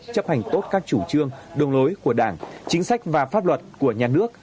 chấp hành tốt các chủ trương đường lối của đảng chính sách và pháp luật của nhà nước